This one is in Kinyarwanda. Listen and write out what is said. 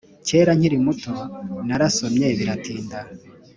Kera nkiri muto narasomye biratinda.